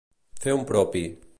Fer un propi.